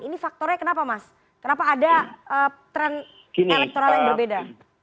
ini faktornya kenapa mas kenapa ada tren elektoral yang berbeda